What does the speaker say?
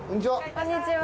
こんにちは！